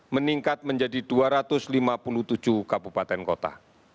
meningkat menjadi dua ratus lima puluh tujuh kabupaten kota